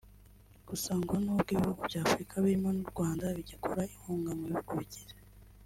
Gusa ngo nubwo ibihugu by’Afurika birimo n’u Rwanda bigikura inkunga mu bihugu bikize